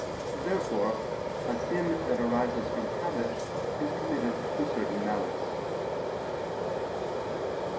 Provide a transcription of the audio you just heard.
Therefore a sin that arises from habit is committed through certain malice.